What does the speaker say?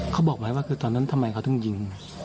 เขาบอกไหมว่าคือตอนนั้นทำไมเขาถึงยิง